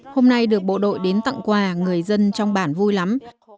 hôm nay được bộ đội đến tặng quà người dân trong bản vui lắm